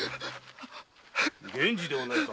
源次ではないか？